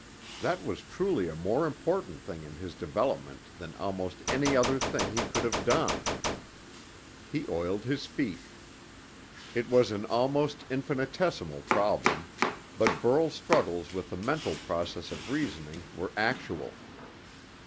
That was truly a more important thing in his development than almost any other thing he could have done. He oiled his feet. It was an almost infinitesimal problem, but Burl's struggles with the mental process of reasoning were actual.